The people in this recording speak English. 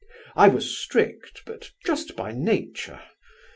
"I was strict, but just by nature.